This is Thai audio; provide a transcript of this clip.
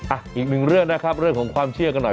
อีกหนึ่งเรื่องนะครับเรื่องของความเชื่อกันหน่อย